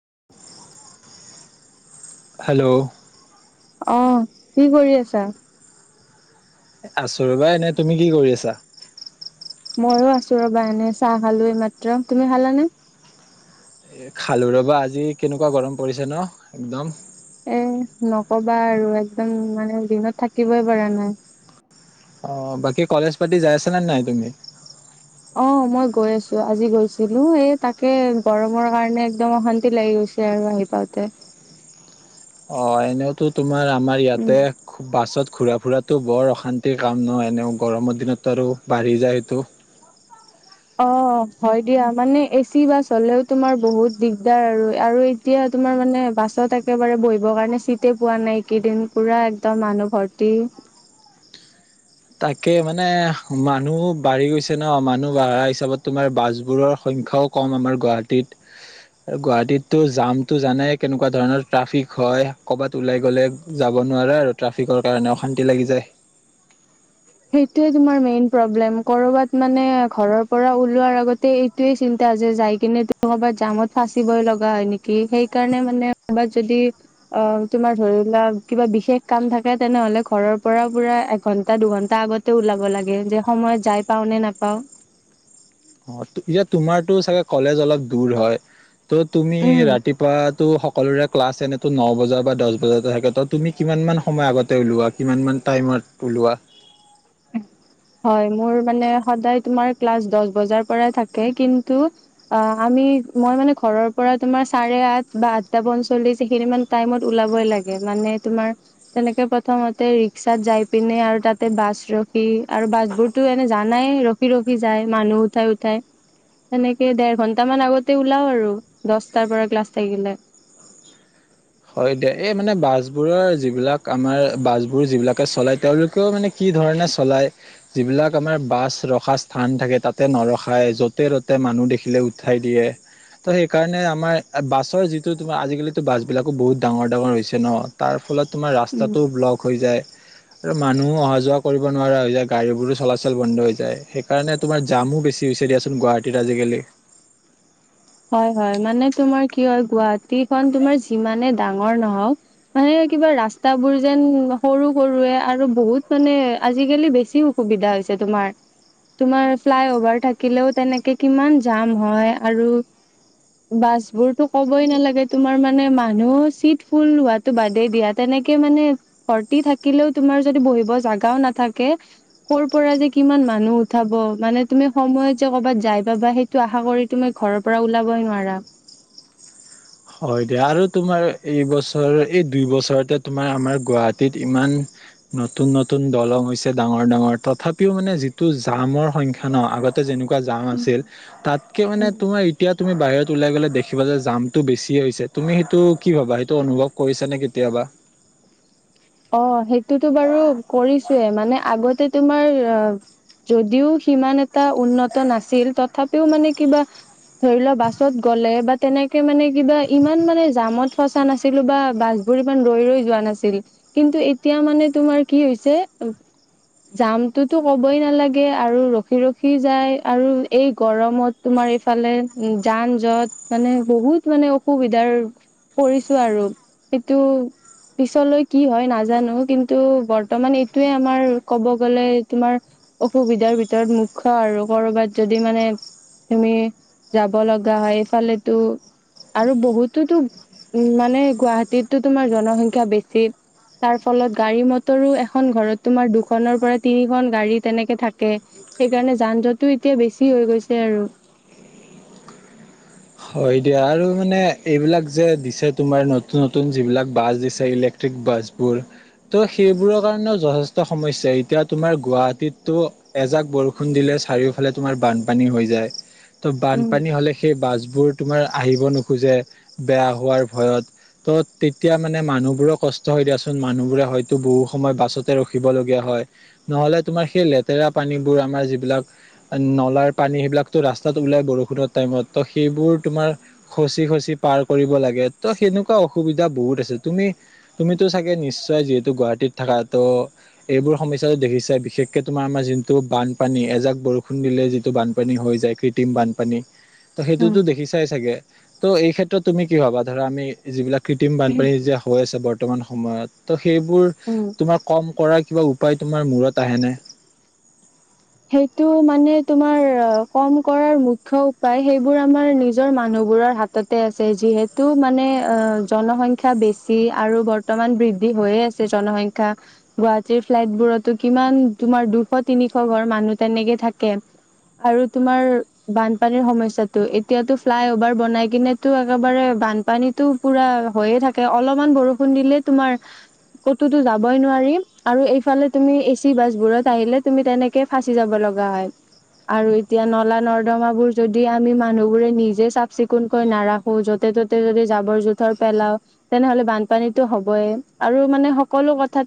[inaudible] Hello অ, কি কৰি আছা? আছো ৰবা এনে। তুমি কি কৰি আছা? ময়ো আছো ৰবা এনে। চাহ খালো এই মাত্ৰ। তুমি খালানে? খালো ৰবা। আজি কেনেকুৱা গৰম পৰিছে ন একদম। এ নকবা আৰু একদম মানে দিনত থাকিবই পৰা নাই। অ বাকী কলেজ পাতি যাই আছা নে নাই তুমি? অ মই গৈ আছো। আজি গৈছিলো। এই তাকে গৰমৰ কাৰণে একদম অশান্তি লাগি গৈছিল। গে আৰু আহি পাওঁতে অ এনেওতো তোমাৰ আমাৰ উম ইয়াতে বাছত ঘূৰা ফুৰাটো বৰ অশান্তিৰ কাম। নহয় এনেও গৰমৰ দিনত আৰু বাঢ়ি যায় সেইটো। অ হয় দিয়া। মানে এচি বাছ হলেও তোমাৰ বহুত দিগদাৰ আৰু আৰু এতিয়া তোমাৰ মানে বাছত একেবাৰে বহিবৰ কাৰণে চিটে পোৱা নাই। এই কেইদিন পুৰা একদম মানুহ ভৰ্তি। [inaudible] তাকে মানে মানুহ বাঢ়ি গৈছে ন? মানুহ বাঢ়া হিচাপত তোমাৰ বাছবোৰৰ সংখ সংখ্যাও কম আমাৰ গুৱাহাটীত। আৰু গুৱাহাটীতটো জামটো জানাই কেনেকুৱা ধৰণৰ। ট্ৰাফিক হয় কৰবাত ওলাই গ'লে যাব নোৱাৰা আৰু ট্ৰাফিকৰ কাৰণে অশান্তি লাগি যায়। সেইটোৱেই তোমাৰ মেইন প্ৰব্লেম। কৰোবাত মানে ঘৰৰ পৰা ওলোৱাৰ আগতে এইটোৱে চিন্তা যে যাই কিনে তোমাৰ ক'ৰবাত জামত ফাঁচিবই লগা হয় নেকি? সেই কাৰণে মানে কৰবাত যদি অ তোমাৰ ধৰি লোৱা কিবা বিশেষ কাম থাকে তেনেহলে ঘৰৰ পৰা পুৰা এঘণ্টা দুঘন তা আগতে ওলাব লাগে যে সময়ত যাই পাও নে নাপাওঁ। অ এতিয়া তোমাৰতো চাগে কলেজ অলপ দূৰ হয়। ত' তুমি উম ৰাতিপুৱা ত সকলোৰে ক্লাছ এনেতো ন বজাৰ বা দহ বজাতে থাকে। ত তুমি কিমান মান সময় আগতে ওলোৱা, কিমান মান টাইমত ওলোৱা? হয়। মোৰ মান সদায় তোমাৰ দছ বজাৰ পৰাই থাকে কিন্তু আমি আমি মই মানে ঘৰৰ পৰা তোমাৰ চাৰে আঠ বা আঠটা পঞ্চল্লিছ সেইখিনি মান টাইমত ওলাবই লাগে। মানে তোমাৰ তেনেকে প্ৰথমতে ৰিক্সাত যাই পিনে আৰু তাতে বাছ ৰখি আৰু বাছ বোৰতো এনে জানাই ৰখি ৰখি যায় মানুহ উঠাই উঠাই। তেনেকে দেৰ ঘন্টামান আগতে ওলাও আৰু দছটাৰ পৰা ক্লাছ থাকিলে। [inaudible] হয় দিয় এই মানে বাছ বোৰৰ যিবিলাক আমাৰ বাছ বোৰ যিবিলাকে চলাই তেওঁলোকেও মানে কি। যি ধৰণে চলাই যিবিলাক আমাৰ বাছ ৰখা স্থান থাকে তাতে নৰখাই য'তে' তটে ম মানুদেখিলোঁ উঠায় দিয়ে ত সেইকাৰণে আমাৰ বাছৰ যিটো তোমাৰ আজি কালি এইবিলাকো বহুত ডাঙৰ ডাঙৰ হৈছে ন তাৰ ফলত তোমাৰ উম ৰাস্তাটোও ব্লক হৈ যায়। আৰু মানুহো অহা যোৱা কৰিব নোৱাৰা হৈ যায় গাড়ীবোৰো চলাচল বন্ধ হৈ যায় সেইকাৰণে তোমাৰ জাম মোৰ বেছি হৈছে দিয়াচোন গুৱাহাটীত আজিকালি হয় হয় মানে তোমাৰ কি হয় গুৱাহাটী খ তোমাৰ যিমানে ডাঙৰ নহওক মানে কিবা ৰাস্তা বোৰ যেন সৰু সৰুৱে আৰু বহুত মানে আজিকালি বেছি অসুবিধা হৈ আছে তোমাৰ, তোমাৰ ফ্লায় অভাৰ থাকিলেও তেনেকে কিমান জাম হয় আৰু উ [inaudible] বাছ বোৰতো ক'বই নালাগে তোমাৰ মানে মানুহ চিট ফুল হোৱাতো বাদেই দিয়া তেনেকে মানে ভৰ্তি থাকিলেও তোমাৰ যদি বহিব জাগাও নাথাকে কৰ'ৰ পৰা যে কিমান মানুহ মানুহ উঠাব মানে তুমি সময় যে কৰ'বাত যাই পাবা সেইটো আশা কৰি তুমি ঘৰৰ পৰা ওলাবই নোৱাৰা হয় দিয়া আৰু তোমাৰ এইবছৰ এই দুই বছৰতে তোমাৰ আমাৰ গুৱাহাটীত ইমান নতুন নতুন দলং হৈছে ডাঙৰ ডাঙৰ তথাপিও মানে যিটো জামৰ সংখ্যা ন আগতে যেনেকুৱা জাম উম, আছিল তাতকে মানে উম, তোমাৰ এতিয়া তুমি বাহিৰত ওলাই গ'লে দেখিব যে যাম টো বেছি হৈছে তুমি সেইটো কি ভাবা সেইটো অনুভৱ কৰিছা নে কেতিয়াবা অ সেইটোতো বাৰু কৰিছোয়ে মানে আগতে তোমাৰ অ যদিও সি মানে তাৰ উন্নত নাছিল, তথাপিও মানে কিবা ধৰি লোৱা বাছত গ'লে বা তেনেকে মানে কিবা ইমান মানে জামত ফচা নাছিলো বা বাছ - [unintelligible] ইমান ৰৈ ৰৈ যোৱা নাছিল কিন্তু এতিয়া মানে তোমাৰ কি হৈছে - জামটোতো কবই নালাগে আৰু ৰখি ৰখি যায় আৰু এই গৰমত তোমাৰ, এইফালে উ যাম জট মানে বহুত মানে অসুবিধাৰ পৰিছো আৰু। এইটো পিছলৈ কি হয় নাজানো। কিন্তু বৰ্তমান এইটোয়ে আমাৰ ক'ব গ'লে তোমাৰ অসুবিধা - ভিতৰত মুখ্য আৰু। কৰবাত যদি মানে তুমি যাব লগা হয়, এইফালেতো আৰু বহুতোতো উ মানে গুৱাহাটীতো তোমাৰ জনসংখ্যা বেছি। তাৰ ফলত গাড়ী মটৰো এখন ঘৰত তোমাৰ দুখনৰ পৰা তিনিখন গাড়ী তেনেকে থাকে। সেইকাৰণে যান জামটোটো এতিয়া বেছি হৈ গৈছে আৰু। [unintelligible] হয় দিয়া, আৰু মানে এইবিলাক যে দিছে তোমাৰ নতুন নতুন যিবিলাক বাছ দিছে ইলেক্ট্ৰিক বাছ, তেজপুৰ, ত' সেইবোৰৰ কাৰনেও যথেষ্ট সমস্যা। এতিয়া তোমাৰ গুৱাহাটীতটো এজাক বৰষুণ দিলে - চাৰিওফালে তোমাৰ বানপানী হৈ যায়, ত উম। বানপানী হলে সেই বাছ - বোৰ তোমাৰ আহিব নোখোজে বেয়া হোৱাৰ ভয়ত। ত' তেতিয়া মানে মানুহবোৰৰে কষ্ট হয় দিয়াচোন, মানুহ বোৰে হয়তো বহু সময় বাছতে ৰখিব লগগীয়া হয়। নহলে তোমাৰ সেই লেতেৰা পানীবোৰ, আমাৰ যিবিলাক নলাৰ পানী সেইবিলাকো ৰাস্তাত- ওলাই বৰষুণৰ টাইমত ত, সেইবোৰ তোমাৰ খচি খচি পাৰ কৰিব লাগে। ত সেনেকুৱা অসুবিধা বহুত আছে। তুমি তুমিতো চাগে নিশ্চয় যিহেতু গুৱাহাটীত থাকা, ত' এইবোৰ সমস্যাটো দেখিছা। বিশেষকে তোমাৰ আমাৰ আমাৰ যোনটো বানপানী এজাক বৰষুণ দিলে যিটো বানপানী হৈ যায় কৃত্ৰিম বানপানী, ত উম। সেইটোতো দেখি চাই চাগে? ত' এই ক্ষেত্ৰত তুমি কি ভাবা? ধৰা আমি যিবিলাক কৃত্ৰিম বানপানী যেতিয়া হৈ আছে বৰ্তমান সময়ত ত' সেই উম। - তোমাৰ কম কৰাৰ কিবা উপায় তোমাৰ মূৰত আহেনে? সেইটো মানে তোমাৰ কম কৰাৰ মুখ্য উপায় সেইবোৰ আমাৰ নিজৰ মানুহ - তে আ যিহেতু মানে জনসংখ্যা বেছি আৰু বৰ্তমান ব- হৈয়ে আছে জনসংখ্যা। গুৱাহাটীত ফ্লাইটবোৰতো কিমান তোমাৰ দুশ তিনি- মানুহ তেনেকে থাকে। আৰু তোমাৰ বানপানীৰ সমস্যাটো। এতিয়াতো ফ্লাই অভাৰ বনাই কিনেটো একেবাৰে, বানপানীতো পুৰা হৈয়ে থাকে। আৰু অলপমান বৰষুণ দিলে তোমাৰ কতোতো যাবই নোৱাৰিম। আৰু এইফালে তুমি এচি বাছ বোৰত আহিলে তুমি তেনেক - কে ফাচি যাব লগা হয়। আৰু এতিয়া নলা নৰ্দমাৰবোৰ যদি আমি মানুহ বোৰে নিজে চাফ চিকুনকৈ নাৰাখো, যতে ততে যদি জাবৰ জোথৰ পেলাও, তেনেহ'লে বানপানীতটো হ'বইে। আৰু মানে সকলো কথা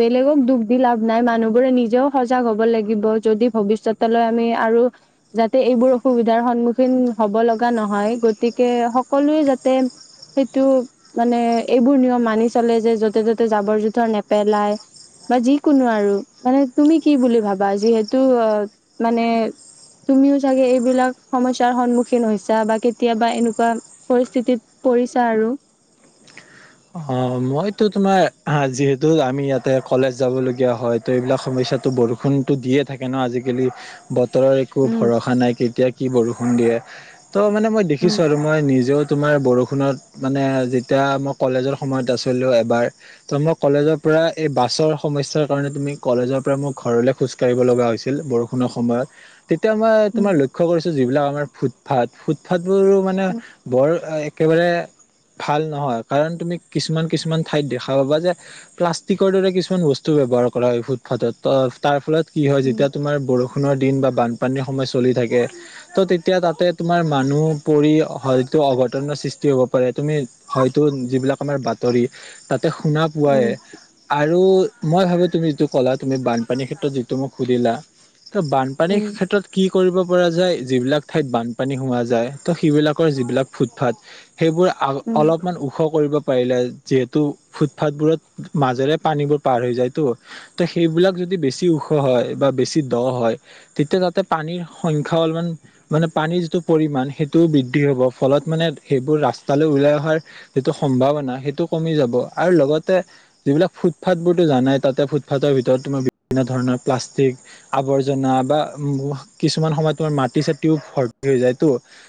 বেলেগক দুখ দি লাভ নাই। মানুহবোৰে নিজেও। সজাগ হ'ব লাগিব। যদি ভৱিষ্যতলৈ আমি আৰু যাতে এইবোৰ অসুবিধাৰ সন্মুখীন। হ'ব লগা নহয়। গতিকে সকলোৱে যাতে। সেইটো মানে এইবোৰ নিয়ম মানি চলে যে, য'তে ত'তে জাবৰ জোথৰ নেপেলাই। বা যিকোনো আৰু মানে তুমি কি বুলি ভাবা যিহেতু আহ মানে, তুমিও চাগে এইবিলাক সমস্যাৰ সন্মুখীন হৈছা বা কেতিয়াবা এনেকুৱা পৰিস্থিতিত, পৰিছা আৰু। হয়। অ, মইতো তোমাৰ যিহেতু আমি ইয়াতে কলেজ যাবলগীয়া হয় ত এইবিলাক সমস্যাতো বৰষুণ, নটো দিয়ে থাকে ন আজিকালি। বতৰৰ একো উম ভৰসা নাই, কেতিয়া কি বৰষুণ দিয়ে। ত' মানে মই দেখিছো উম আৰু মই নিজেও তোমাৰ বৰষুণত মানে যেতিয়া মই কলেজৰ সময়ত আছো। কিন্তু এবাৰ। ত মই কলেজৰ পৰা এই বাছৰ সমস্যাৰ কাৰণে তুমি কলেজৰ পৰা ম ঘৰ - খোজ কঢ় লগা হৈছিল বৰষুণৰ সময়ত। তেতিয়া মই তোমাৰ উম লক্ষ্য কৰিছো, যিবিলাক আমাৰ ফুটফাট ফুটফাত বোৰো মানে বৰ। একেবাৰে ভাল নহয়, কাৰণ তুমি কিছুমান। কিছুমান ঠাইত দেখা পাবা যে, প্লাষ্টিকৰ দৰে কিছুমান বস্তু ব্যৱহাৰ কৰা হয় ফুটপাথত। তাৰ ফলত কি হয়, উম যেতিয়া তোমাৰ বৰষুণৰ। দিন বা বানপানীৰ সময় চলি থাকে ত' তেতিয়া তাতে তোমাৰ মানুহ পৰি হয়তো। কট সৃষ্টি হ'ব পাৰে, তুমি হয়তো যিবিলাক আমাৰ ব। তাতে শুনা পোৱায় উম আৰু। মই ভাবো তুমি যিটো ক'লা তুমি বানপানীৰ ক্ষেত্ৰত যিটো মোক সুধিলা। ত, বানপানীৰ উম ক্ষেত্ৰত কি। কৰিব পৰা যায়, যিবিলাক ঠাইত বানপানী হোৱা যায় ত সেইবিলাকৰ যিবিলাক ফুটফাত। সেইবোৰ আ উম উম অলপমান ওখ কৰিব পাৰিলে। যিহেতু ফুটপথ বোৰত মাজেৰে পানীবোৰ পাৰ হৈ যায় তো ত সেইবিলাক যদি বেছি। হয়। পৰিমণ সেইটোও বৃদ্ধি হ'ব ফলত মানে সেইবোৰ ৰাস্তালৈ ওলাই অহাৰ যিটো সম্ভাৱনা সেইটো। কমি যাব, আৰু লগতে যিবিলাক ফুটপাথ বোৰতো জানাই তাতে ফুটফাথৰ ভিতৰত তোমাৰ বিভিন্ন ধৰণৰ। প্লাষ্টিক আৱৰ্জনা, বা কিছুমান সময়ত তোমাৰ মাটি চ টিউব ভৰ্তি হৈ যায় তো।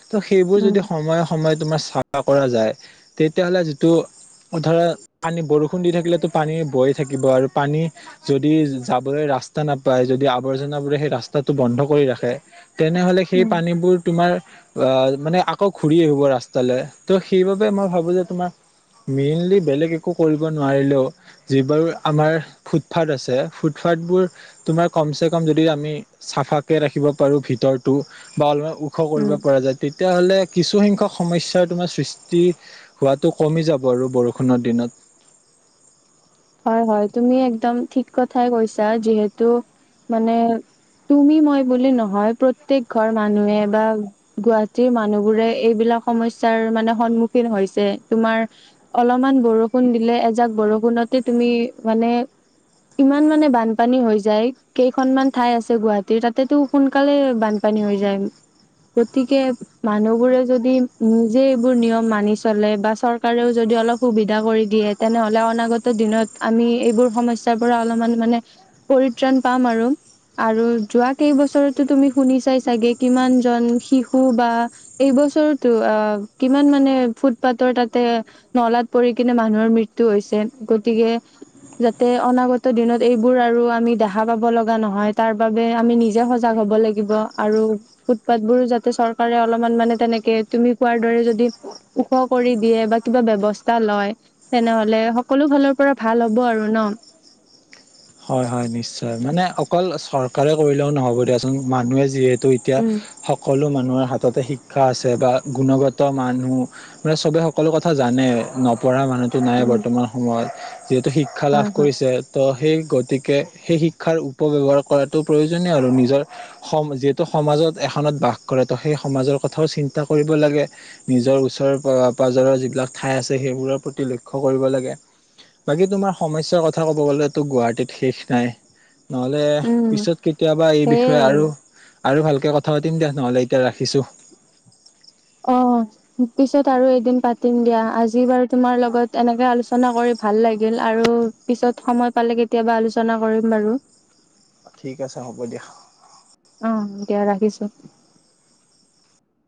ত' সেইবোৰ উম যদি সময়ে সময়ে তোমাৰ চাহা কৰা যায় তেতিয়াহলে যিটো। ধৰা, পানী বৰষুণ দি থাকিলেতো পানী বয়ে থাকিব আৰু পানী যদি যাবলৈ ৰাস্তা। ৰাস্তা নাপায়, যদি আৱৰ্জনাবোৰে সেই ৰাস্তাটো বন্ধ কৰি ৰাখে। তেনেহলে সেই উম পানীবোৰ তোমাৰ। আহ মানে আকৌ ঘূৰি আহিব ৰাস্তালৈ ত' সেইবাবে মই ভাবো যে তোমাৰ। মেইনলি বেলেগ একো কৰিব নোৱাৰিলেও, যিবাৰু আমাৰ ফুটফাথ আছে ফুটফাড। তোমাৰ কমচেকম যদি আমি চাফাক ৰাখিব পাৰোঁ ভিতৰত বা অলপ। ওখ কৰিব উম পৰা যায় তেতিয়াহ'লে। কিছুসংখ্যক সমস্যাৰ তোমাৰ সৃষ্টি হোৱাতটো কমি যাব। ব বৰষুণৰ দিনত। হয় হয়, তুমি একদম ঠিক কথাই কৈছা যিহেতু মানে। তুমি মই বুলি নহয়, প্ৰত্যেক ঘৰ মানুহে বা গুৱাহাটীৰ মানুহ বোৰে এইবিলাক। সমস্যা মানে সন্মুখীন হৈছে, তোমাৰ অলপমান বৰষুণ দিলে এজাক বৰষুণত। তুমি মানে ইমান মানে বানপানী হৈ যায় কেইখনমান ঠাই আছে গুৱাহাটীৰ তাতেতো সোনকালে বানপানী পানী হৈ যায়। গতিকে মানুহবোৰে যদি নিজে এইবোৰ নিয়ম মানি চলে বা চৰকাৰেও যদি অলপ সুবিধা কৰি দিয়ে তেনেহ'লে অনাগত দিনত আমি এইবোৰ সমস্যা পৰা অলপমান মানে পৰিত্ৰাণ পাম আৰু আৰু যোৱা কেইবছৰ টো তুমি শুনি চাই চাগে কিমান জন শিশু বা এইব বছৰ টো অ কিমান মানে ফুটপাথৰ তাতে নলাত পৰি কিনে মানুহৰ মৃত্যু হৈছে। গতিকে যাতে অনাগত দিনত এইবোৰ আৰু আমি দেখা পাব লগা নহয় তাৰ বাবে আমি নিজে সজাগ হ হব লাগিব আৰু ফুটপাত বোৰো যাতে চৰকাৰে অলপমান মানে তেনেকে তুমি কোৱাৰ দৰে যদি ওখ কৰি দিয়ে বা কিবা ব্যৱস্থা লয় তেনেহলে সকলো ফালৰ পৰা ভাল হ'ব আৰু ন? হয় হয় নিশ্চয় মানে অকল চৰকাৰে কৰিলেও নহ'ব দিয়াচোন মানুহে যিহেতু ত এতিয়া উম সকলো মান মানুহৰ হাততে শিক্ষা আছে বা গুণগত মানুহ মানে চবে সকলো কথা জানে। পঢ়া মানুহতো নাই উম বৰ্তমান সময়ত যিহেতু শিক্ষা লাভ হয় হয় কৰিছে ত' সেই গতিকে সেই শিক্ষাৰ উপব্যৱহাৰ কৰাতটো প্ৰয়োজনীয় আৰু নিজৰ সম যিহেতু সমাজত ত বাস কৰে ত' সেই সমাজৰ কথাও চিন্তা কৰিব লাগে নিজৰ ওচৰৰ পাজৰৰ যিবিলাক ঠাই আছে সেইবোৰৰ প্ৰতি লক্ষ্য কৰিব লাগে। বাকী তোমাৰ সমস্যাৰ কথা ক'ব গলে টো গুৱাহাটীত শেষ নাই নহলে উম পিছত কেতিয়াবা এই বিষয়ে আৰু আৰু ভালকে কথা পাতিম দিয়া নহলে এতিয়া ৰাখিছো। অ পিছত আৰু এদিন পাতিম দিয়া। আজি বাৰু তোমাৰ লগত এনেকে আলোচনা কৰি ভাল লাগিল, আৰু পিছত সময় পালে কেতিয়াবা আলোচনা কৰিম বাৰু। ঠিক আছে হ'ব দিয়া। এতিয়া ৰাখিছো।